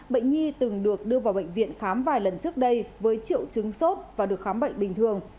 bệnh nhi từng được đưa vào bệnh viện khám vài lần trước đây với triệu chứng sốt và được khám bệnh bình thường